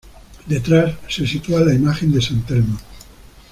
Detrás, se sitúa la imagen de San Telmo.